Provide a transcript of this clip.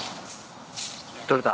取れた？